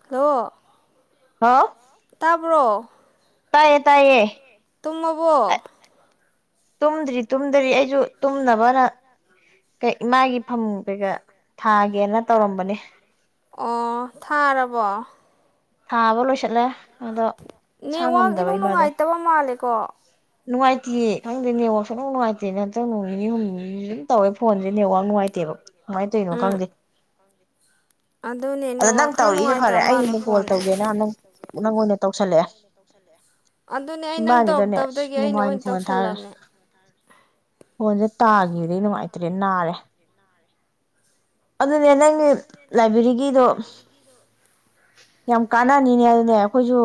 Hello ꯍꯥꯎ ꯇꯥꯕ꯭ꯔꯣ ꯇꯥꯏꯌꯦ ꯇꯥꯏꯌꯦ ꯇꯨꯝꯃꯕꯣ ꯇꯨꯝꯗ꯭ꯔꯤ ꯇꯨꯝꯗ꯭ꯔꯤ ꯑꯩꯁꯨ ꯇꯨꯝꯅꯕꯅ ꯏꯃꯥꯒꯤ ꯐꯝ ꯀꯩꯀꯥ ꯊꯥꯒꯦꯅ ꯇꯧꯔꯝꯕꯅꯦ ꯑꯣ ꯊꯥꯔꯕꯣ ꯊꯥꯕꯂꯣꯁꯤꯜꯂꯦ ꯑꯗꯣ ꯁꯥ ꯅꯦꯠꯋꯥꯛ ꯉꯝꯗꯕ ꯏꯅꯨꯡ ꯏꯃꯥꯗꯣ ꯅꯨꯡꯉꯥꯏꯇꯕ ꯃꯥꯜꯂꯦꯀꯣ ꯅꯨꯡꯉꯥꯏꯇꯦꯌꯦ ꯈꯪꯗꯦ ꯅꯦꯠꯋꯥꯛꯁꯨ ꯅꯅꯨꯡ ꯅꯨꯡꯉꯥꯏꯇꯦ ꯅꯠꯇꯪ ꯅꯣꯡ ꯅꯤꯅꯤ ꯍꯨꯝꯅꯤ ꯑꯗꯨꯝ ꯇꯧꯋꯦ ꯐꯣꯟꯁꯦ ꯅꯦꯠꯋꯥꯛ ꯅꯨꯡꯉꯥꯏꯇꯦꯕ ꯀꯃꯥꯏꯅ ꯇꯧꯔꯤꯅꯣ ꯎꯝ ꯈꯪꯗꯦ ꯑꯗꯨꯅꯦ ꯑꯗ ꯅꯦꯋꯥꯛ ꯅꯪ ꯈꯔ ꯇꯧꯔꯛꯏꯁꯦ ꯐꯔꯦ ꯅꯨꯡꯉꯥꯏꯇꯕ ꯃꯥꯜꯂꯦ ꯑꯩꯅ ꯀꯣꯜ ꯐꯣꯟ ꯇꯧꯒꯦꯅ ꯅꯪꯪ ꯅꯉꯣꯟꯗ ꯇꯧꯁꯜꯂꯛꯑꯦ ꯑꯗꯨꯅꯦ ꯑꯩ ꯅꯪ ꯏꯕꯥꯅꯤꯗꯅꯦ ꯇꯧꯔꯛꯇꯕꯗꯒꯤ ꯑꯩꯅ ꯃꯃꯥꯏꯅ ꯑꯣꯏꯅ ꯐꯣꯟ ꯊꯥꯔꯦ ꯇꯧꯁꯜꯂꯕꯅꯦ ꯐꯣꯟꯁꯦ ꯇꯥꯈꯤꯕꯗꯩ ꯅꯨꯡꯉꯥꯏꯇ꯭ꯔꯦ ꯅꯥꯔꯦ ꯑꯗꯨꯅꯦ ꯅꯪꯒꯤ ꯂꯥꯏꯕ꯭ꯔꯦꯔꯤꯒꯤꯗꯣ ꯌꯥꯝ ꯀꯥꯟꯅꯅꯤꯅꯦ ꯑꯗꯨꯅꯦ ꯑꯩꯈꯣꯏꯁꯨ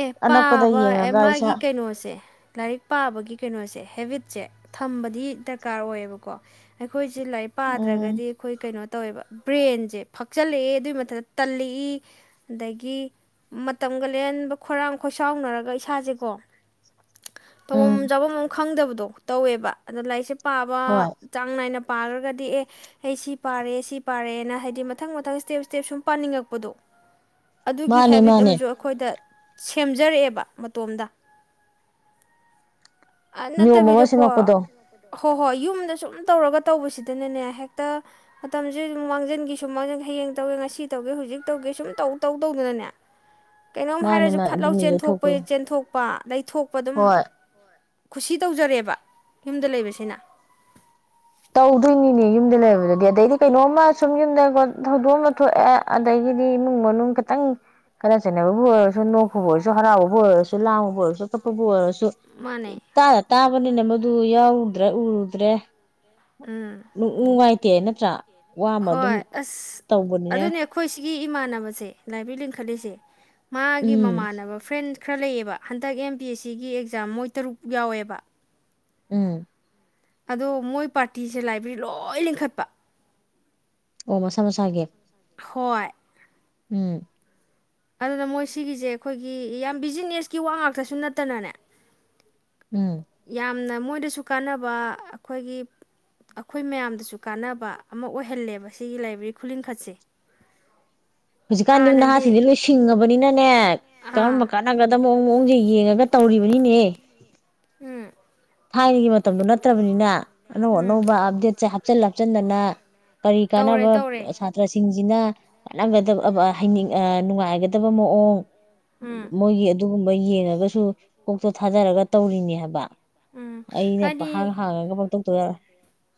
ꯑꯦ ꯑꯅꯛꯄꯗ ꯄꯥꯕ ꯑꯦ ꯌꯦꯡꯉꯒ ꯏꯁꯥ ꯃꯥꯒꯤ ꯀꯩꯅꯣꯁꯦ ꯂꯥꯏꯔꯤꯛ ꯄꯥꯕꯒꯤ ꯀꯩꯅꯣꯁꯦ ꯍꯦꯕꯤꯠꯁꯦ ꯊꯝꯕꯗꯤ ꯗꯔꯀꯥꯔ ꯑꯣꯏꯌꯦꯕꯀꯣ ꯑꯩꯈꯣꯏꯁꯦ ꯂꯥꯏꯔꯤꯛ ꯎꯝ ꯄꯥꯗ꯭ꯔꯒꯗꯤ ꯑꯩꯈꯣꯏ ꯀꯩꯅꯣ ꯇꯧꯋꯦꯕ ꯕ꯭ꯔꯦꯟꯁꯦ ꯐꯛꯆꯜꯂꯛꯑꯦ ꯑꯗꯨꯏ ꯃꯊꯛꯇ ꯇꯜꯂꯛꯏ ꯑꯗꯒꯤ ꯃꯇꯝꯒ ꯂꯦꯟꯕ ꯈꯣꯏꯔꯥꯡ ꯈꯣꯏꯁꯥꯎꯅꯔꯒ ꯏꯁꯥꯁꯦꯀꯣ ꯇꯧꯐꯝ ꯎꯝ ꯆꯥꯐꯝ ꯑꯃ ꯈꯪꯗꯕꯗꯣ ꯑꯗꯣ ꯇꯧꯋꯦꯕ ꯑꯗꯣ ꯂꯥꯏꯔꯤꯁꯦ ꯍꯣꯏ ꯄꯥꯕ ꯆꯥꯡ ꯅꯥꯏꯅ ꯄꯥꯔꯒꯗꯤ ꯑꯦ ꯑꯩꯁꯤ ꯄꯥꯔꯦ ꯁꯤ ꯄꯥꯔꯦꯅ ꯍꯥꯏꯗꯤ ꯃꯊꯪ ꯃꯊꯪ ꯏꯁꯇꯦꯞ ꯏꯁꯇꯦꯞ ꯁꯨꯝ ꯄꯥꯅꯤꯡꯉꯛꯄꯗꯣ ꯑꯗꯨꯒꯤ ꯃꯥꯅꯦ ꯍꯦꯕꯤꯠ ꯃꯥꯅꯦ ꯑꯃꯁꯨ ꯑꯩꯈꯣꯏ ꯁꯦꯝꯖꯔꯛꯑꯦꯕ ꯃꯇꯣꯝꯗ ꯑ ꯅꯤꯌꯣꯝ ꯑꯃ ꯅꯠꯇꯕꯤꯗꯀꯣ ꯁꯦꯝꯃꯛꯄꯗꯣ ꯍꯣꯏ ꯍꯣꯏ ꯌꯨꯝꯗ ꯁꯨꯝ ꯇꯧꯔꯒ ꯇꯧꯕꯁꯤꯗꯅꯅꯦ ꯍꯦꯛꯇ ꯃꯇꯝꯁꯦ ꯑꯗꯨꯝ ꯃꯥꯡꯖꯟꯒꯤ ꯁꯨꯝ ꯃꯥꯡꯖꯟ ꯍꯌꯦꯡ ꯇꯧꯒꯦ ꯉꯁꯤ ꯇꯧꯒꯦ ꯍꯧꯖꯤꯛ ꯇꯧꯒꯦ ꯁꯨꯝ ꯇꯧ ꯇꯧ ꯇꯧꯗꯅꯅꯦ ꯀꯩꯅꯣꯝ ꯃꯥꯅꯦ ꯍꯥꯏꯔꯁꯨ ꯃꯥ ꯐꯠ ꯂꯥꯎ ꯑꯗꯨꯅꯤ ꯆꯦꯟꯊꯣꯛꯄ ꯌꯩꯊꯣꯛꯄꯗꯣ ꯆꯦꯟꯊꯣꯛ ꯄ ꯂꯩꯩꯊꯣꯛꯄ ꯑꯗꯨꯝ ꯍꯣꯏ ꯈꯨꯁꯤ ꯇꯧꯖꯔꯦꯕ ꯌꯨꯝꯗ ꯂꯩꯕꯁꯤꯅ ꯇꯧꯗꯣꯏꯅꯤꯅꯦ ꯂꯩꯕꯗꯗꯤ ꯑꯗꯩꯗꯤ ꯀꯩꯅꯣꯝꯃ ꯁꯨꯝ ꯌꯨꯝꯗꯀ ꯊꯧꯗꯣꯛꯑ ꯑꯃ ꯊꯣꯛꯑꯦ ꯑꯗꯒꯤꯗꯤ ꯏꯃꯨꯡ ꯃꯅꯨꯡ ꯈꯤꯇꯪ ꯈꯅ ꯆꯩꯅꯕꯕꯨ ꯑꯣꯏꯔꯁꯨ ꯅꯣꯛꯄꯕꯨ ꯑꯣꯏꯔꯁꯨ ꯍꯔꯥꯎꯕꯕꯨ ꯑꯣꯏꯔꯁꯨ ꯂꯥꯡꯕꯕꯨ ꯑꯣꯏꯔꯁꯨ ꯀꯞꯄꯕꯨ ꯑꯣꯏꯔꯁꯨ ꯃꯥꯅꯦ ꯇꯥ ꯇꯥꯕꯅꯤ ꯅ ꯃ ꯑꯗꯨ ꯌꯥꯎꯔꯨꯗ꯭ꯔꯦ ꯎꯔꯨꯗ꯭ꯔꯦ ꯎꯝ ꯎ ꯎꯝ ꯑꯥꯏꯇꯦ ꯅ ꯆ ꯍꯣꯏ ꯑꯁ ꯑꯗꯨꯅꯦ ꯑꯩꯈꯣꯏ ꯁꯤꯒꯤ ꯏꯃꯥꯟꯅꯕꯁꯦ ꯂꯥꯏꯕ꯭ꯔꯦꯔꯤ ꯂꯤꯡꯈꯠꯂꯤꯁꯦ ꯃꯥꯒꯤ ꯎꯝ ꯃꯃꯥꯟꯅꯕ ꯐ꯭ꯔꯦꯟ ꯈꯔ ꯂꯩꯑꯕ ꯍꯟꯗꯛ ꯑꯦꯝ ꯕꯤ ꯑꯦꯁ ꯁꯤꯒꯤ ꯑꯦꯛꯖꯥꯝ ꯃꯣꯏ ꯇꯔꯨꯛ ꯌꯥꯎꯑꯦꯕ ꯎꯝ ꯑꯗꯣ ꯃꯣꯏ ꯄꯥꯔꯇꯤꯁꯦ ꯂꯥꯏꯕ꯭ꯔꯦꯔꯤ ꯂꯣꯏ ꯂꯤꯡꯈꯠꯄ ꯑꯣ ꯃꯁꯥ ꯃꯁꯥꯒꯤ ꯍꯣꯏ ꯎꯝ ꯑꯗꯨꯅ ꯃꯣꯏ ꯁꯤꯒꯤꯁꯦ ꯑꯩꯈꯣꯏꯒꯤ ꯌꯥꯝ ꯕꯤꯖꯤꯅꯦꯁꯀꯤ ꯋꯥ ꯉꯥꯛꯇꯁꯨ ꯅꯠꯇꯅꯅꯦ ꯎꯝ ꯌꯥꯝꯅ ꯃꯣꯏꯗꯁꯨ ꯀꯥꯟꯅꯕ ꯑꯩꯈꯣꯏꯒꯤ ꯑꯩꯈꯣꯏ ꯃꯌꯥꯝꯗꯁꯨ ꯀꯥꯟꯅꯕ ꯑꯃ ꯑꯣꯏꯍꯜꯂꯦꯕ ꯁꯤꯒꯤ ꯂꯥꯏꯕ꯭ꯔꯦꯔꯤ ꯈꯨꯂꯤꯡꯈꯠꯁꯦ ꯍꯧꯖꯤꯛꯀꯥꯟꯗꯤ ꯍꯥꯟꯅꯗꯤ ꯅꯍꯥꯁꯤꯡꯗꯤ ꯂꯣꯏ ꯁꯤꯡꯉꯕꯅꯤꯅꯅꯦ ꯀꯔꯝꯕ ꯑꯥ ꯀꯥꯟꯅꯒꯗꯕ ꯃꯑꯣꯡ ꯃꯑꯣꯡꯁꯦ ꯌꯦꯡꯉꯒ ꯇꯧꯔꯤꯕꯅꯤꯅꯦ ꯎꯝ ꯊꯥꯏꯅꯒꯤ ꯃꯇꯝꯗꯣ ꯅꯠꯇ꯭ꯔꯕꯅꯤꯅ ꯣ ꯎꯝ ꯅꯣꯕꯗꯦꯠꯁꯦ ꯍꯥꯞꯆꯤꯟ ꯍꯥꯞꯆꯤꯟꯗꯅ ꯀꯔꯤ ꯇꯧꯔꯦ ꯀꯥꯟꯅꯕ ꯇꯧꯔꯦ ꯁꯥꯇ꯭ꯔꯁꯤꯡ ꯁꯤꯅꯠꯒꯗ ꯍꯅꯤꯡ ꯅꯨꯡꯉꯥꯏꯒꯗꯕ ꯃꯑꯣꯡ ꯎꯝ ꯃꯣꯏꯒꯤ ꯑꯗꯨꯒꯨꯝ ꯌꯦꯡꯉꯒꯁꯨ ꯀꯣꯛꯇꯣ ꯊꯥꯗꯔꯒ ꯇꯧꯔꯤꯅꯦ ꯍꯥꯏꯕ ꯎꯝ ꯑꯩꯅꯦ ꯄ ꯍꯥꯏꯗꯤ ꯍꯥꯡ ꯍꯥꯡꯉꯒ ꯇ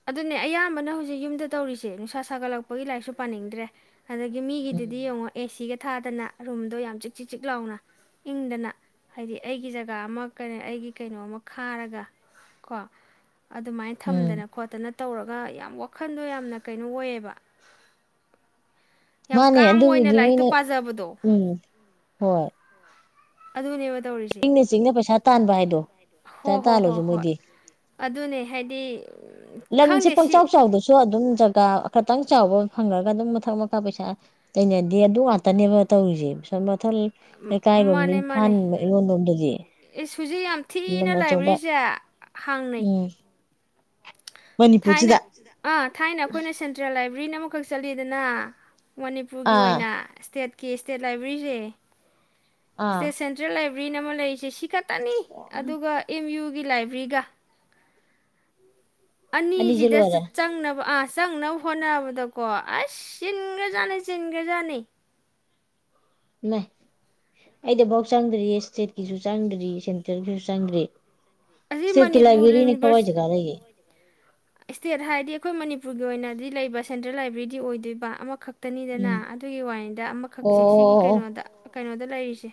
ꯑꯗꯨꯅꯦ ꯑꯌꯥꯝꯕꯅ ꯍꯧꯖꯤꯛ ꯌꯨꯝꯗ ꯇꯧꯔꯤꯁꯦ ꯅꯨꯡꯁꯥ ꯁꯥꯒꯠꯂꯛꯄꯒꯤ ꯂꯥꯏꯔꯤꯛꯁꯨ ꯄꯥꯅꯤꯡꯗ꯭ꯔꯦ ꯑꯗꯒꯤ ꯎꯝ ꯃꯤꯒꯤꯗꯨꯗꯤ ꯌꯦꯡꯉꯣ ꯑꯦꯁꯤꯒ ꯄ ꯊꯥꯗꯅ ꯔꯨꯝꯗꯣ ꯌꯥꯝ ꯆꯤꯛ ꯆꯤꯛ ꯆꯤꯛ ꯂꯥꯎꯅ ꯏꯪꯗꯅ ꯍꯥꯏꯗꯤ ꯑꯩꯒꯤ ꯖꯒꯥ ꯑꯃ ꯀ ꯑꯩꯒꯤ ꯀꯩꯅꯣ ꯑꯃ ꯈꯥꯔꯒ ꯀꯣ ꯑꯗꯨꯃꯥꯏꯅ ꯎꯝ ꯊꯝꯗꯅ ꯇ ꯌꯥꯝ ꯀꯩꯅꯣ ꯌꯥꯝ ꯃꯥꯅꯦ ꯀꯥꯝ ꯑꯣꯏꯅ ꯑꯗꯨꯕꯨꯗꯤ ꯂꯥꯏꯔꯤꯛꯇꯣ ꯃꯣꯏꯅ ꯄꯥꯖꯕꯗꯣ ꯎꯝ ꯍꯣꯏ ꯑꯗꯨꯕꯨꯅꯦ ꯆꯤꯡꯅꯦ ꯆꯤꯡꯅꯦ ꯄꯩꯁꯥ ꯇꯥꯟꯚ ꯍꯥꯏꯗꯣ ꯍꯣ ꯄꯩꯁꯥ ꯍꯣ ꯍꯣ ꯇꯥꯜꯂꯣꯁꯨ ꯍꯣꯏ ꯃꯣꯏꯗꯤ ꯑꯗꯨꯅꯦ ꯍꯥꯏꯗꯤ ꯎꯝ, ꯂꯝꯁꯦ ꯈꯪꯗꯦ ꯁꯤ ꯄꯪꯆꯥꯎ ꯆꯥꯎꯗꯁꯨ ꯑꯗꯨꯝ ꯖꯒꯥ ꯈꯇꯪ ꯆꯥꯎꯕ ꯐꯪꯉꯒ ꯑꯗꯨꯝ ꯃꯊꯛ ꯃꯈꯀꯥ ꯄꯩꯁꯥ ꯇꯅꯗꯦ ꯑꯗꯨ ꯉꯇꯅꯦꯕ ꯇꯧꯔꯤꯁꯦ ꯁꯣꯝ ꯃꯊꯜ ꯎꯝ, ꯂꯩꯀꯥꯏꯔꯣꯝ ꯃꯥꯅꯦ ꯃꯥꯅꯦ ꯅꯝꯐꯥꯟꯕ ꯏꯔꯣꯟꯂꯣꯝꯗꯗꯤ ꯏꯁ ꯍꯧꯖꯤꯛ ꯌꯥꯝ ꯂꯝ ꯊꯤꯅ ꯑꯆꯧꯕ ꯂꯥꯏꯕ꯭ꯔꯦꯔꯤꯁꯦ ꯍꯥꯡꯅꯩ ꯎꯝ ꯊꯥꯏꯅ ꯃꯅꯤꯄꯨꯔꯁꯤꯗ ꯑ ꯊꯥꯏꯅ ꯑꯩꯈꯣꯏꯅ ꯁꯦꯟꯇ꯭ꯔꯦꯜ ꯂꯥꯏꯕꯦ ꯕ꯭ꯔꯤꯟ ꯑꯃꯈꯛ ꯆꯠꯂꯤꯗꯅ ꯃꯅꯤꯄꯨꯔꯒꯤ ꯑꯥ ꯑꯣꯏꯅ ꯏꯁꯇꯦꯠ ꯀꯦ ꯏꯁꯇꯦꯠ ꯂꯥꯏꯕ꯭ꯔꯦꯔꯤꯁꯦ ꯁꯦ ꯑꯥ ꯁꯦꯟꯇ꯭ꯔꯦꯜ ꯂꯥꯏꯕ꯭ꯔꯦ ꯭ꯔꯤꯟ ꯑꯃ ꯂꯩꯔꯤꯁꯦ ꯁꯤꯒꯠ ꯇꯅꯤ ꯑꯗꯨꯒ ꯑꯦꯝ ꯌꯨ ꯒꯤ ꯂꯥꯏꯕ꯭ꯔꯔꯤꯒ ꯑꯅꯤꯁꯦ ꯑꯅꯤꯁꯤꯗ ꯂꯣꯏꯔꯦ ꯆꯪꯅꯕ ꯑ ꯆꯪꯅꯕ ꯍꯣꯠꯅꯕꯗꯀꯣ ꯑꯁ ꯆꯤꯟꯒ꯭ꯔꯖꯥꯠꯅꯤ ꯆꯤꯟꯈ꯭ꯔꯖꯥꯠꯅꯤ ꯑꯩꯗꯐꯥꯎ ꯆꯪꯗ꯭ꯔꯤꯌꯦ ꯏꯁꯇꯦꯠꯀꯤꯁꯨ ꯆꯪꯗ꯭ꯔꯤ ꯁꯦꯟꯇ꯭ꯔꯒꯤꯁꯨ ꯆꯪꯗ꯭ꯔꯤ ꯑꯁꯤ ꯏꯁꯇꯦꯠꯀꯤ ꯃꯅꯤꯄꯨꯔ ꯂꯥꯏꯕ꯭ꯔꯦꯔꯤꯅꯤ ꯌꯨꯅꯤꯚꯔꯁ ꯀꯋꯥꯏꯖꯒꯥꯂꯩꯒꯦ꯫ ꯏꯁꯇꯦꯠ ꯍꯥꯏꯗꯤ ꯑꯩꯈꯣꯏ ꯃꯅꯤꯄꯨꯔꯒꯤ ꯑꯣꯏꯅꯗꯤ ꯂꯩꯕ ꯁꯦꯟꯇ꯭ꯔꯦꯜ ꯂꯥꯏꯕ꯭ꯔꯦꯔꯤꯗꯤ ꯑꯣꯏꯗꯣꯏꯕ ꯑꯃꯈꯛ ꯈꯛꯇꯅꯤꯗꯅ ꯎꯝ ꯑꯗꯨꯒꯤ ꯋꯥꯅꯤꯗ ꯑꯣ ꯑꯃꯈꯛꯁꯦ ꯁꯤꯒꯤ ꯑꯣ ꯑꯣ ꯀꯩꯅꯣꯗ ꯀꯩꯅꯣꯗ ꯂꯩꯔꯤ ꯁꯦ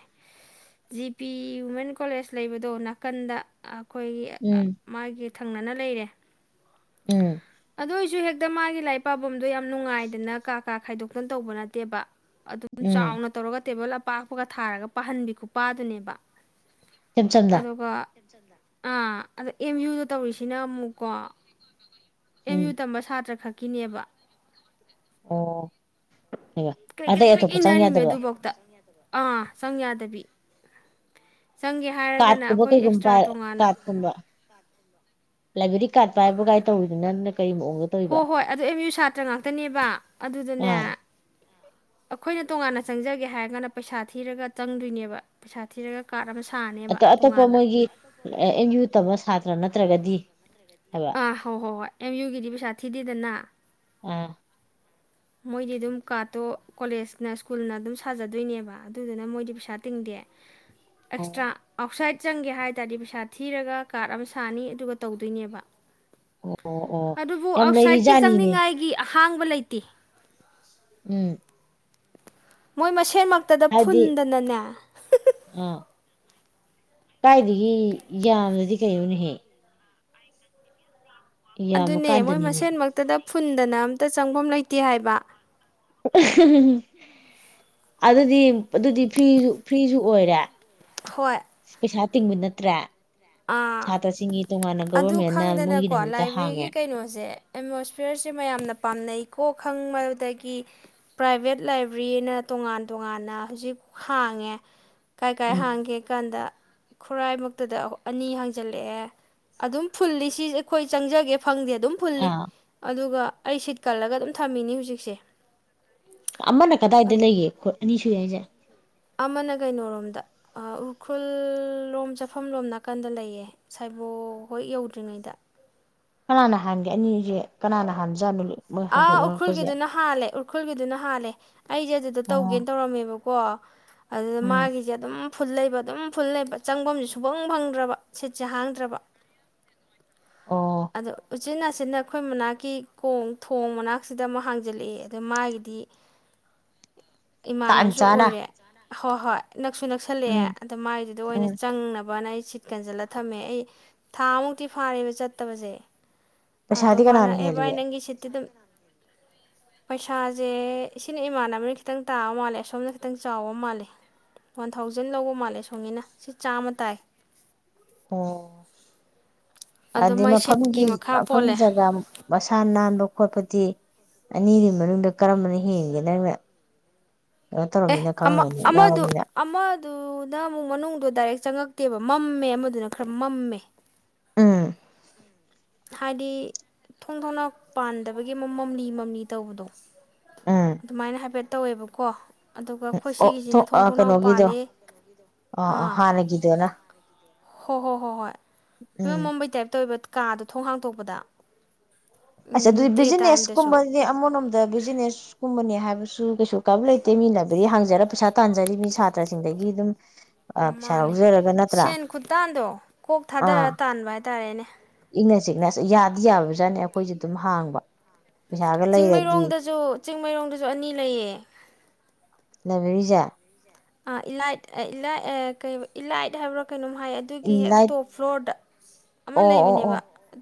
ꯖꯤ ꯄꯤ ꯋꯨꯃꯦꯟ ꯀꯣꯂꯦꯖ ꯂꯩꯕꯗꯣ ꯅꯥꯀꯟꯗ꯫ ꯑꯩꯈꯣꯏꯒꯤ ꯑ ꯎꯝ ꯃꯥꯒꯤ ꯊꯪꯅꯅ ꯂꯩꯔꯦ꯫ ꯎꯝ ꯑꯗꯨ ꯑꯣꯏꯖꯨ ꯍꯦꯛ ꯑꯗ ꯃꯥꯒꯤ ꯂꯥꯏꯔꯤꯛ ꯄꯥꯕꯝꯗꯣ ꯌꯥꯝ ꯅꯨꯡꯉꯥꯏꯗꯅ ꯀꯥ ꯀꯥ ꯈꯥꯏꯗꯣꯛꯇꯅ ꯇꯧꯕ ꯅꯠꯇꯦꯕ꯫ ꯑꯗꯨꯝ ꯎꯝ ꯆꯥꯎꯅ ꯇꯧꯔꯒ ꯇꯦꯕꯜ ꯑꯞ ꯄꯥꯛꯄꯒ ꯊꯥꯔꯒ ꯄꯥꯍꯟꯕꯤ ꯈꯨꯄꯥꯗꯨꯅꯦꯕ꯫ ꯏꯆꯝ ꯆꯝꯅ ꯑꯗꯨꯒ ꯑꯥ ꯑꯗ ꯑꯦꯝ ꯌꯨꯗ ꯇꯧꯔꯤꯁꯤꯅ ꯑꯃꯨꯛꯀꯣ꯫ ꯑꯦꯝ ꯎꯝ ꯌꯨ ꯇꯝꯕ ꯁꯥꯇ꯭ꯔ ꯈꯛ꯫ ꯀꯤꯅꯦꯕ꯫ ꯑꯣ꯫ ꯑꯌꯥ ꯀ꯭ꯔꯤꯛ ꯀ꯭ꯔꯤꯛ ꯑꯇꯩꯩ ꯀ꯭ꯔꯤꯛ ꯑꯇꯣꯞꯄ ꯆꯪ ꯏꯟꯅꯔꯤꯃꯦ ꯌꯥꯗꯕꯔꯣ꯫ ꯑꯗꯨꯐꯧꯗ ꯑꯥ ꯆꯪ ꯌꯥꯗꯕꯤ꯫ ꯆꯪꯒꯦ ꯍꯥꯏꯔꯒꯅ ꯀꯥꯔꯠꯀꯨꯝꯕ ꯑꯩꯈꯣꯏ ꯀꯩꯒꯨꯝꯕ ꯑꯦꯛꯁꯇ꯭ꯔꯥ ꯇꯣꯉꯥꯟꯅ꯫ ꯀꯥꯔꯠꯀꯨꯝꯕ ꯂꯥꯏꯕ꯭ꯔꯦꯔꯤ ꯀꯥꯠ ꯄꯥꯏꯕ ꯀꯥꯏ ꯇꯧꯕꯗꯨꯅ ꯅꯣꯏ ꯍꯣꯏ ꯍꯣꯏ ꯑꯗꯨ ꯑꯦꯝ ꯌꯨ ꯁꯥꯇ꯭ꯔ ꯉꯥꯛꯇꯅꯦꯕ ꯑꯗꯨꯗꯅꯦ ꯑꯥ ꯑꯩꯈꯣꯏꯅ ꯇꯣꯉꯥꯟꯅ ꯆꯪꯖꯒꯦ ꯍꯥꯏꯔꯒꯥꯟꯅ ꯄꯩꯁꯥ ꯊꯤꯔꯒ ꯆꯪꯗꯣꯏꯅꯦꯕ ꯄꯩꯁꯥ ꯊꯤꯔꯒ ꯀꯥꯔꯠ ꯑꯃ ꯁꯥ ꯑꯇꯣ ꯑꯇꯣꯞꯄ ꯃꯣꯏꯒꯤ ꯑꯦꯝ ꯌꯨ ꯇꯝꯕ ꯁꯥꯠ ꯅ ꯅꯠꯇ꯭ꯔꯒꯗꯤ ꯍꯥꯏꯕ ꯑꯥ ꯍꯣ ꯍꯣꯏ ꯍꯣꯏ ꯑꯦꯝ ꯌꯨꯒꯤꯗꯤ ꯄꯩꯁꯥ ꯊꯤꯗꯦꯗꯅ꯫ ꯑꯥ꯫ ꯃꯣꯏꯗꯤ ꯑꯗꯨꯝ ꯀꯥꯔꯠꯇꯣ ꯀꯣꯂꯦꯖꯅ ꯁ꯭ꯀꯨꯜꯅ ꯑꯗꯨꯝ ꯁꯥꯖꯗꯣꯏꯅꯦꯕ ꯑꯗꯨꯗꯨꯅ ꯃꯣꯏꯗꯤ ꯄꯩꯁꯥ ꯇꯤꯡꯗꯦ꯫ ꯑꯦꯛꯁꯇ꯭ꯔꯥ ꯑꯣ ꯑꯥꯎꯠꯁꯥꯏꯠ꯫ ꯆꯪꯒꯦ ꯍꯥꯏ ꯇꯥꯔꯗꯤ ꯄꯩꯁꯥ ꯊꯤꯔꯒ ꯀꯥꯔꯠ ꯑꯃ ꯁꯥꯅꯤ ꯑꯗꯨꯒ ꯇꯧꯗꯣꯏꯅꯦꯕ꯫ ꯑꯣ ꯑꯗꯨꯕꯨ ꯌꯥꯝ ꯑꯥꯎꯠꯁꯥꯏꯠꯀꯤ ꯂꯩꯔꯤꯖꯥꯠꯅꯤꯅꯦ ꯆꯪꯅꯤꯡꯉꯥꯏꯒꯤ ꯑꯍ ꯍꯥꯡꯕ ꯂꯩꯇꯦ꯫ ꯎꯝ꯫ ꯃꯣꯏ ꯃꯁ ꯁꯦꯃꯛꯇꯗ ꯍꯥꯏꯕꯗꯤ ꯐꯨꯟꯗꯅꯅꯦ꯫ ꯑꯥ ꯀꯥꯏꯗꯒꯤ ꯌꯥꯝꯗꯗꯤ ꯀꯩꯅꯣꯅꯦꯍꯦ꯫ ꯑꯗꯨꯅꯦ ꯃꯣꯏ ꯌꯥꯝꯃꯀꯥꯟꯗꯅꯤꯅꯦ ꯃꯁꯦꯟꯃꯛꯇꯗ ꯐꯨꯟꯗꯅ ꯑꯝꯇ ꯆꯪꯐꯝ ꯂꯩꯇꯦ ꯍꯥꯏꯕ ꯑꯗꯨꯗꯤ ꯑꯗꯨꯗꯤ ꯐ꯭ꯔꯤꯁꯨ ꯐ꯭ꯔꯤꯁꯨ ꯑꯣꯏꯔꯦ ꯍꯣꯏ ꯄꯩꯁ ꯇꯤꯡꯕ ꯅꯠꯇ꯭ꯔꯥ ꯑꯗꯨ ꯒꯕꯔꯃꯦꯟꯅ ꯈꯪꯗꯅꯀꯣ ꯃꯣꯏꯒꯤꯗꯃꯛꯇ ꯂꯥꯏꯕ꯭ꯔꯦꯔꯤꯒꯤ ꯍꯥꯡꯉꯦ ꯀꯩꯅꯣꯁꯦ ꯑꯦꯠꯃꯣꯁꯐꯤꯌꯔꯁꯦ ꯃꯌꯥꯝꯅ ꯄꯥꯝꯅꯩ ꯀꯣ ꯈꯪꯕꯗꯒꯤ ꯄ꯭ꯔꯥꯏꯚꯦꯠ ꯂꯥꯏꯕ꯭ꯔꯦꯔꯤꯅ ꯇꯣꯉꯥꯟ ꯇꯣꯉꯥꯟꯅ ꯍꯧꯖꯤꯛ ꯍꯥꯡꯉꯦ ꯀꯥꯏ ꯀꯥꯏ ꯎꯝ ꯍꯥꯡꯒꯦ ꯀꯥꯟꯗ ꯈꯨꯔꯥꯏꯃꯛꯇꯗ ꯑꯅꯤ ꯍꯥꯡꯖꯜꯂꯛꯑꯦ ꯑꯗꯨꯝ ꯐꯨꯜꯂꯤ ꯁꯤ ꯑꯩꯈꯣꯏ ꯆꯪꯖꯒꯦ ꯐꯪꯗꯦ ꯑꯗꯨꯝ ꯐꯨꯜꯂꯤ ꯑꯥ ꯑꯗꯨꯒ ꯑꯩ ꯁꯤꯠ ꯀꯜꯂꯒ ꯑꯗꯨꯝ ꯊꯝꯃꯤꯅꯤ ꯍꯧꯖꯤꯛꯁꯦ ꯑꯃꯅ ꯀꯗꯥꯏꯗ ꯂꯩꯒꯦꯣꯠ ꯑꯅꯤ ꯁꯨꯏ ꯍꯥꯏꯁꯦ ꯑꯃꯅ ꯀꯩꯅꯣꯔꯣꯝꯗ ꯎꯈ꯭ꯔꯨꯜ ꯂꯣꯝ ꯆꯥꯐꯝꯂꯣꯝ ꯅꯥꯀꯟꯗ ꯂꯩꯌꯦ ꯁꯥꯏꯕꯣ ꯍꯣꯏ ꯌꯧꯗ꯭ꯔꯤꯉꯩꯗ ꯀꯅꯥꯅ ꯍꯥꯟꯒꯦ ꯑꯅꯤꯁꯦ ꯀꯅꯥꯅ ꯍꯥꯟꯖꯥꯠꯅꯣ ꯃꯣꯏ ꯑꯥ ꯍꯧꯗꯣꯛꯅꯔꯛꯄꯁꯦ ꯎꯈ꯭ꯔꯨꯜꯒꯤꯗꯨꯅ ꯍꯥꯜꯂꯦ ꯎꯈꯨꯜꯒꯤꯗꯨꯅ ꯍꯥꯜꯂꯦ ꯑꯩꯁꯦ ꯑꯗꯨꯗ ꯑꯣ ꯇꯧꯒꯦꯅ ꯇꯧꯔꯝꯃꯦꯕꯀꯣ ꯑꯗꯨꯗ ꯎꯝ ꯃꯥꯒꯤꯁꯦ ꯑꯗꯨꯝ ꯐꯨꯜ ꯂꯩꯕ ꯑꯗꯨꯝ ꯐꯨꯜ ꯂꯩꯕ ꯆꯪꯐꯝꯁꯦ ꯁꯨꯐꯪ ꯐꯪꯗ꯭ꯔꯕ ꯁꯤꯠꯁꯦ ꯍꯥꯡꯗ꯭ꯔꯕ ꯑꯣ ꯑꯗ ꯁꯤꯆꯤꯟ ꯑꯁꯤꯅ ꯑꯩꯈꯣꯏ ꯃꯅꯥꯛꯀꯤ ꯀꯣꯡ ꯊꯣꯡ ꯃꯅꯥꯛꯁꯤꯗ ꯑꯃꯨꯛ ꯍꯥꯡꯖꯜꯂꯛꯏꯦ ꯑꯗ ꯃꯥꯒꯤꯗꯤ ꯇꯥꯟ ꯏꯃꯥꯟꯅꯕꯁꯨ ꯆꯥꯅ ꯑꯣꯏꯔꯦ ꯍꯣꯏ ꯍꯣꯏ ꯅꯛꯁꯨ ꯅꯛꯁꯜꯂꯛꯑꯦ ꯎꯝ ꯑꯗ ꯃꯥꯏꯗꯨꯗ ꯑꯣꯏꯅ ꯎꯝ ꯆꯪꯅꯕꯅ ꯑꯩ ꯁꯤꯠ ꯀꯟꯁꯤꯜꯂ ꯊꯝꯃꯦ ꯑꯩ ꯊꯥꯃꯨꯛꯇꯤ ꯐꯥꯔꯦꯕ ꯆꯠ ꯁꯛꯇꯕꯖꯦ ꯑꯗꯣ ꯄꯩꯁꯥꯗꯤ ꯃꯥꯅ ꯀꯅꯥꯅ ꯑꯦ ꯚꯥꯏ ꯍꯦꯜꯂꯤꯒꯦ ꯅꯪꯒꯤ ꯁꯤꯠꯇ ꯑꯗꯨꯝ ꯄꯩꯁꯥꯁꯦ ꯁꯤꯅ ꯏꯃꯥꯟꯅꯕꯅ ꯈꯤꯇꯪ ꯇꯥꯕ ꯃꯥꯜꯂꯦ ꯑꯁꯣꯝꯅ ꯈꯤꯇꯪ ꯆꯥꯎꯕ ꯃꯥꯜꯂꯦ ꯋꯥꯟ ꯊꯥꯎꯖꯟ ꯂꯧꯕ ꯃꯥꯜꯂꯦ ꯑ ꯁꯣꯝꯒꯤꯅ ꯁꯤ ꯆꯥꯝꯃ ꯇꯥꯏ ꯑꯣ ꯑꯗꯣ ꯍꯥꯏꯗꯤ ꯃꯥꯏ ꯁꯤꯠꯀꯤ ꯃꯐꯝꯒꯤ ꯃꯈꯥ ꯃꯐꯝ ꯄꯣꯜꯂꯦ ꯖꯒꯥ ꯃꯁꯥ ꯅꯥꯟꯕ ꯈꯣꯠꯄ ꯤ ꯑꯅꯤꯗꯨ ꯃꯅꯨꯡꯗ ꯀꯔꯝꯕꯅ ꯍꯦꯟꯒꯦ ꯅꯪꯅꯦ ꯑꯦ ꯑꯃꯗꯨ ꯑꯃꯗꯨꯅ ꯑꯃꯨꯛ ꯃꯅꯨꯡꯗꯗꯨ ꯗꯥꯏꯔꯦꯛ ꯆꯪꯉꯛ ꯅꯠꯇꯦꯕ ꯃꯝꯃꯦ ꯑꯃꯗꯨꯅ ꯈꯔ ꯃꯝꯃꯦ ꯑꯥ ꯍꯥꯏꯗꯤ ꯊꯣꯡ ꯊꯣꯡꯅ ꯄꯥꯟꯗꯕꯒꯤ ꯃꯝꯂꯤ ꯃꯝꯂꯤ ꯇꯧꯕꯗꯣ ꯎꯝ ꯑꯗꯨꯃꯥꯏꯅ ꯍꯥꯏꯐꯦꯠ ꯇꯧꯋꯦꯕꯀꯣ ꯑꯗꯨꯒ ꯑꯩꯈꯣꯏ ꯁꯤꯒꯤꯁꯤꯅ ꯊꯣꯡ ꯑꯣ ꯊꯣꯡꯅꯥꯎ ꯀꯩꯅꯣꯒꯤꯗꯣ ꯄꯥꯜꯂꯤ ꯑ ꯑ ꯍꯥꯟꯅꯒꯤꯗꯨꯅ ꯍꯣꯏ ꯍꯣ ꯍꯣ ꯍꯣꯏ ꯏ ꯎꯝ ꯃꯨꯝꯩ ꯇꯥꯏꯞꯇ ꯑꯣꯏꯕ ꯀꯥꯗꯣ ꯊꯣꯡ ꯍꯥꯡꯗꯣꯛꯄꯗ ꯑꯆꯥ ꯑꯗꯨꯗꯤ ꯕꯤꯖꯤꯅꯦꯁ ꯀꯨꯝꯕ ꯑꯃꯣꯝꯗ ꯕꯤꯖꯤꯅꯦꯁ ꯀꯨꯝꯕꯅꯦ ꯍꯥꯏꯕꯁꯨ ꯀꯩꯁꯨ ꯀꯥꯏꯕ ꯂꯩꯇꯦ ꯃꯤꯅꯥꯏꯕꯗꯤ ꯍꯥꯡꯖꯔ ꯄꯩꯁꯥ ꯇꯥꯟꯖꯔꯤ ꯃꯤ ꯁꯥꯇ꯭ꯔꯁꯤꯡꯗꯒꯤ ꯑꯗꯨꯝ ꯄꯩꯁꯥ ꯃꯥꯅꯦ ꯂꯧꯖꯔꯒ ꯅꯠꯇ꯭ꯔꯥ ꯁꯦꯟ ꯈꯨꯇꯥꯡꯗꯣ ꯀꯣꯛ ꯊꯥꯗꯔ ꯇꯥꯟꯕ ꯍꯥꯏꯇꯥꯔꯦꯅꯦ ꯁꯤꯛꯅꯦ ꯌꯥꯗꯤ ꯌꯥꯕꯖꯥꯠꯅꯦ ꯑꯩꯈꯣꯏꯁꯨꯦ ꯑꯗꯨꯝ ꯍꯥꯡꯕ ꯄꯩꯁꯥꯒ ꯂꯩꯔꯗꯤ ꯆꯤꯡꯃꯩꯔꯣꯡꯗꯁꯨ ꯆꯤꯡꯃꯩꯔꯣꯡꯗꯁꯨ ꯑꯅꯤ ꯂꯩꯌꯦ ꯂꯕꯔꯤꯖꯥ ꯑ ꯏꯂꯥꯏꯠꯥꯏ ꯀ ꯏꯂꯥꯏꯠ ꯍꯥꯏꯕ꯭ꯔꯥ ꯀꯩꯅꯣꯝ ꯍꯥꯏ ꯑꯗꯨꯒꯤ ꯍꯦꯛ ꯏꯟꯂꯥꯏꯠ ꯇꯣꯞ ꯐ꯭ꯂꯣꯔꯗ ꯑꯃ ꯑꯣ ꯑꯣ ꯑꯣ ꯂꯩꯕꯅꯦꯕ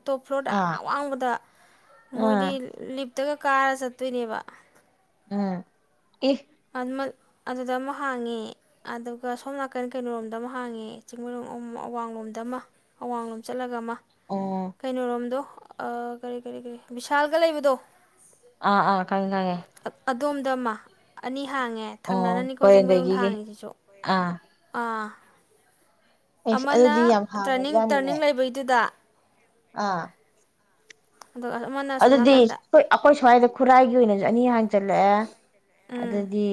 ꯇꯣꯞ ꯐ꯭ꯂꯣꯔꯗ ꯑ ꯑꯥ ꯑꯋꯥꯡꯕꯗ ꯑꯥ ꯃꯣꯏꯗꯤ ꯂꯤꯞ ꯏꯇꯒ ꯀꯥꯔ ꯆꯠꯇꯣꯏꯅꯦꯕ ꯎꯝ ꯏ ꯑꯗꯨꯗ ꯑꯃ ꯍꯥꯡꯉꯦ ꯑꯗꯨꯒ ꯁꯣꯝ ꯅꯥꯀꯟ ꯀꯩꯅꯣꯔꯣꯝꯗ ꯑꯃ ꯍꯥꯡꯉꯦ ꯆꯤꯡꯃꯩꯔꯣꯡ ꯑꯃ ꯑꯋꯥꯡꯂꯣꯝꯗ ꯑꯃ ꯑꯋꯥꯡꯂꯣꯝ ꯆꯠꯂꯒ ꯑꯃ ꯑꯣ ꯀꯩꯅꯣꯔꯣꯝꯗꯣ ꯀꯔꯤ ꯀꯔꯤ ꯀꯔꯤ ꯕꯤꯚꯤꯁꯥꯜꯒ ꯂꯩꯕꯗꯣ ꯑ ꯑꯥ ꯍꯥꯏꯅꯉꯦ ꯑ- ꯑꯗꯣꯝꯗ ꯑꯃ ꯑꯅꯤ ꯍꯥꯡꯉꯦ ꯑꯣ ꯊꯪꯅꯅꯅꯤꯀꯣ ꯆꯤꯡꯃꯩꯔꯨꯡꯗ ꯀꯣꯏꯔꯦꯡꯒꯩꯒꯤꯒꯤ ꯍꯥꯡꯉꯤꯁꯤꯁꯨ ꯑꯥ ꯑꯥ ꯑꯦꯁ ꯑꯃꯅ ꯑꯗꯨꯗꯤ ꯌꯥꯝ ꯇ꯭ꯔꯅꯤꯡ ꯍꯥꯡꯉꯕꯖꯥꯠꯅꯤꯅꯦ ꯇꯔꯅꯤꯡ ꯂꯩꯕꯩꯗꯨꯗ ꯑꯥ ꯑꯗꯨꯒ ꯑꯃꯅ ꯑꯁꯣꯝ ꯑꯗꯨꯗꯤ ꯅꯥꯀꯟꯗ ꯑꯩꯣꯏ ꯑꯩꯈꯣꯏ ꯁ꯭ꯋꯥꯏꯗ ꯈꯨꯔꯥꯏꯒꯤ ꯑꯣꯏꯅꯁꯨ ꯑꯅꯤ ꯍꯥꯟ ꯆꯠꯂꯛꯦ ꯎꯝ ꯑꯗꯨꯗꯤ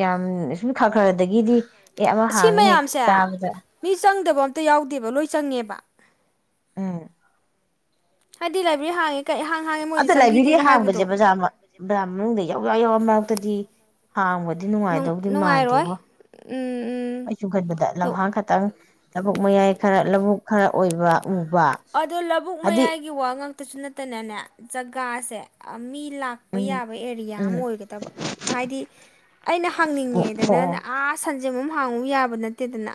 ꯌꯥꯝ ꯁꯨꯝ ꯈꯔ ꯈꯔꯗꯒꯤꯗꯤ ꯑꯦ ꯑꯃ ꯑꯁꯤ ꯍꯥꯡꯉꯦ ꯍꯦꯛ ꯃꯌꯥꯝꯁꯦ ꯇꯥꯕꯗ ꯃꯤ ꯆꯪ ꯪꯗꯕ ꯑꯝꯇ ꯌꯥꯎꯗꯦꯕ ꯂꯣꯏ ꯆꯪꯉꯦꯕ ꯎꯝ ꯍꯥꯏꯗꯤꯂꯕꯤ ꯍ ꯑꯗ ꯂꯥꯏꯕ꯭ꯔꯦꯔꯤ ꯍꯥꯡꯕꯁꯦ ꯕꯖꯥꯔ ꯕꯖꯥꯔ ꯃꯅꯨꯡꯗ ꯌꯥꯎ ꯌꯥꯎ ꯌꯥꯎꯔ ꯃꯔꯛꯇꯗꯤ ꯍꯥꯡꯕꯗꯤ ꯅꯨꯡ ꯅꯨꯡꯉꯥꯏꯗꯧꯗꯤ ꯅꯨꯡꯉꯥꯏꯔꯣꯏ ꯃꯥꯟꯗꯦꯀꯣ ꯎꯝ ꯎꯝ ꯑꯩ ꯆ ꯈꯟꯕꯗ ꯑꯗꯣ ꯂꯝꯍꯥꯡ ꯈꯇꯪ ꯊꯕꯛ ꯃꯌꯥꯏ ꯈꯔ ꯂꯧꯕꯨꯛ ꯈꯔ ꯑꯣꯏꯕ ꯎꯕ ꯑꯗꯣ ꯂꯧꯕꯨꯛ ꯍꯥꯏꯗꯤ ꯃꯌꯥꯏꯒꯤ ꯋꯥ ꯉ ꯇꯁꯨ ꯅꯠꯇꯅꯅꯦ ꯖꯒꯥꯁꯦ ꯃꯤ ꯂꯥꯛꯄ ꯎꯝ ꯌꯥꯕ ꯑꯦꯔꯤꯌꯥ ꯑꯃ ꯎꯝ ꯑꯣꯏꯒꯗꯕ ꯍꯥꯏꯗꯤ ꯑꯩꯅ ꯑꯣ ꯑꯣ ꯍꯪꯅꯤꯡꯉꯦꯗꯅ ꯑꯥ ꯖꯃꯝ ꯍꯥꯡꯉꯨ ꯌꯥꯕ ꯅꯠꯇꯦꯗꯅ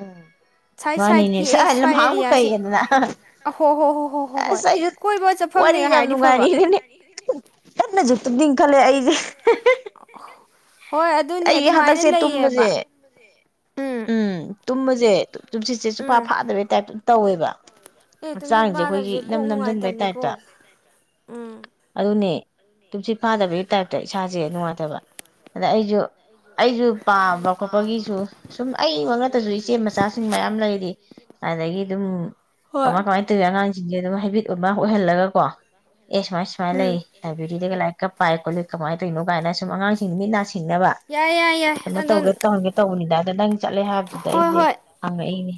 ꯑꯥ ꯁꯥꯏꯠ ꯃꯅꯤꯅꯦ ꯁꯥꯏꯠꯀꯤ ꯁꯥ ꯑꯦ ꯁ꯭ꯋꯥꯏ ꯃꯥꯉ ꯀꯥꯏ ꯑꯦꯔꯤꯌꯥꯁꯦ ꯑꯍꯣ ꯍꯣ ꯍꯣ ꯍꯣ ꯍꯣ ꯍꯣꯏ ꯑꯁꯥꯏ ꯀꯣꯏꯕ ꯆꯠꯐꯝꯅꯦ ꯋꯥꯅꯤ ꯌꯥꯝ ꯌꯥꯝ ꯍꯥꯏꯔꯗꯤ ꯐꯕ ꯅꯅꯨꯡ ꯉꯅꯤ ꯀꯅꯨꯠꯇ ꯈꯜꯂꯦ ꯑꯩꯁꯦ [unintelligible] [inaudible] ꯑꯗꯨꯅꯦ ꯑꯩꯒꯤ ꯑꯗꯨꯃꯥꯏꯅ ꯍꯟꯗꯛꯁꯦ ꯇꯨꯝꯕꯁꯦ ꯂꯩꯌꯦꯕ ꯎꯝ ꯇꯨꯝ ꯃꯖꯦ ꯍꯥꯏ ꯆꯨꯝꯁꯤꯠꯦ ꯆꯨꯞꯐꯥ ꯎꯝ ꯐꯥꯗꯕꯩ ꯇꯥꯏꯞꯇ ꯇꯧꯋꯦꯕ ꯑꯦ ꯇꯨꯝꯁꯤꯠ ꯍꯛꯆꯥꯡꯁꯦ ꯑꯩꯈꯣꯏꯒꯤ ꯐꯥꯗꯕꯁꯦ ꯏꯅꯝ ꯀꯣꯛ ꯅꯝꯁꯤꯟꯕꯩ ꯇꯥꯏꯞꯇ ꯅꯨꯡꯉꯥꯏꯇꯕꯅꯤꯀꯣ ꯎꯝ ꯑꯗꯨꯅꯦ ꯇꯨꯝꯁꯤ ꯐꯥꯗꯕꯒꯤ ꯇꯥꯏꯞꯇ ꯏꯁꯥꯁꯦ ꯅꯨꯡꯉꯥꯏꯇꯕ ꯑꯗ ꯑꯩꯁꯨ ꯑꯩꯁꯨ ꯄꯥꯕ ꯈꯣꯠꯄꯒꯤꯁꯨ ꯁꯨꯝ ꯑꯩ ꯋꯥ ꯅꯛꯇꯁꯨ ꯏꯆꯦ ꯃꯆꯥꯁꯤꯡ ꯃꯌꯥꯝ ꯂꯩꯔꯤ ꯑꯗꯒꯤ ꯑꯗꯨꯝ ꯍꯣꯏ ꯀꯃꯥꯏ ꯀꯃꯥꯏꯅ ꯇꯧꯏꯤ ꯑꯉꯥꯡꯁꯤꯡ ꯁꯤꯡꯁꯦ ꯑꯗꯨꯝ ꯍꯥꯏꯕꯤꯠ ꯑꯃ ꯑꯣꯏꯍꯜꯂꯒ ꯀꯣ ꯑꯦ ꯁꯨꯃꯥꯏ ꯁꯨꯃꯥꯏ ꯂꯩ ꯎꯝ ꯂꯥꯏꯕ꯭ꯔꯦꯔꯤꯗꯒꯤꯒ ꯂꯥꯏꯛ ꯄꯥꯏ ꯈꯣꯠꯂꯨ ꯀꯃꯥꯏꯅ ꯇꯧꯔꯤꯅꯣ ꯀꯥꯏꯅ ꯁꯨꯝ ꯑꯉꯥꯡꯁꯤꯡꯁꯤ ꯃꯤꯠ ꯅꯥ ꯁꯤꯡꯅꯕ ꯌꯥꯏ ꯌꯥꯏ ꯌꯥꯏ ꯀꯩꯅꯣ ꯑꯗꯣ ꯇꯧꯒꯦ ꯇꯧꯒꯦ ꯇꯧꯕꯅꯤꯗ ꯅꯪ ꯆꯠꯂꯦ ꯍꯥꯏꯕꯗꯨꯗ ꯍꯣꯏ ꯑꯩꯁꯦ ꯍꯣꯏ ꯍꯪꯉꯛꯏꯅꯦ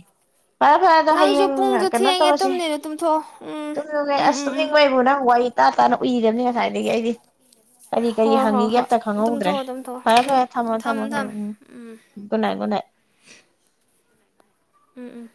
ꯐꯔꯦ ꯐꯔꯦ ꯑꯗꯣ ꯅꯪꯁꯨ ꯍꯌꯦꯡ ꯄꯨꯡꯁꯨ ꯀꯩꯅꯣ ꯊꯦꯡꯉꯦ ꯇꯧꯔꯁꯦ ꯇꯨꯝꯅꯤꯗ ꯇꯨꯝꯊꯣꯛꯑꯣ ꯎꯝ ꯇꯨꯝꯅꯤꯡꯉ ꯎꯝ ꯑꯁ ꯎꯝ ꯎꯝ ꯇꯨꯝꯅꯤꯡꯉꯣꯏꯕꯨ ꯅꯪ ꯋꯥ ꯇꯇꯥ ꯇꯥꯅ ꯎꯏꯅꯦ ꯉꯁꯥꯏꯗꯒꯤ ꯑꯩꯗꯤ ꯀꯔꯤ ꯀꯔꯤ ꯍꯣꯏ ꯍꯣꯏ ꯍꯪꯉꯤꯒꯦ ꯍꯣꯏ ꯑꯝꯇ ꯈꯪꯍꯧꯗ꯭ꯔꯦ ꯇꯨꯝꯊꯣꯛꯑꯣ ꯇꯨꯝꯊꯣꯛꯑꯣ ꯐꯔꯦ ꯎꯝ ꯐꯔꯦ ꯊꯝꯃꯣ ꯊꯝ ꯊꯝꯃꯣ ꯊꯝ ꯊꯝꯃꯣ ꯎꯝ ꯒꯅꯦ ꯎꯝ ꯎꯝ